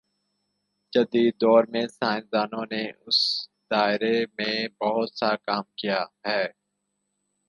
جدیددور میں سائنس دانوں نے اس دائرے میں بہت سا کام کیا ہے